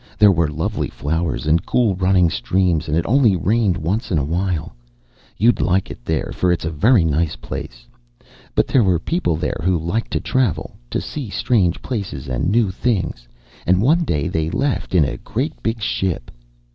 There were lovely flowers and cool running streams and it only rained once in a while. You'd like it there for it's a very nice place. But there were people there who liked to travel to see strange places and new things, and one day they left in a great big ship."